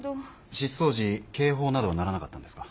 失踪時警報などは鳴らなかったんですか？